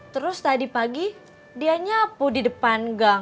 terus tadi pagi dia nyapu di depan gang